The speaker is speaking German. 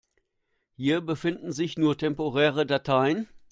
Hier befinden sich nur temporäre Dateien.